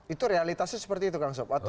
itu realitasnya seperti itu kang sob